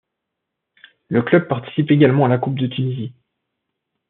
Le club participe également à la coupe de Tunisie.